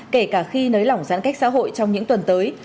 kể cả khi nới lỏng giãn cách xã hội trong những tuần tới